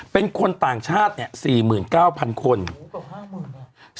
เป็นคนต่างชาติเนี้ยสี่หมื่นเก้าพันคนกว่าห้าหมื่นอ่ะ